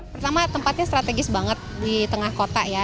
pertama tempatnya strategis banget di tengah kota ya